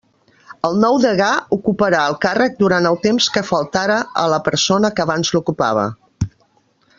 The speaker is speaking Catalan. El nou degà ocuparà el càrrec durant el temps que faltara a la persona que abans l'ocupava.